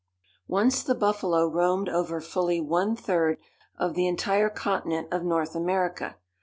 Once the buffalo roamed over fully one third of the entire continent of North America.